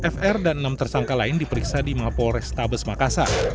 fr dan enam tersangka lain diperiksa di mapol restabes makassar